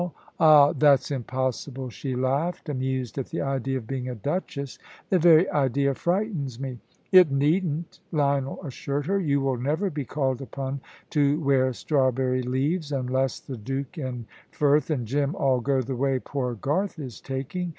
"Ah, that's impossible," she laughed, amused at the idea of being a duchess; "the very idea frightens me." "It needn't," Lionel assured her: "you will never be called upon to wear strawberry leaves, unless the Duke and Frith and Jim all go the way poor Garth is taking.